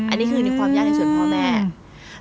อันนี้คือในความยากในส่วนพ่อแม่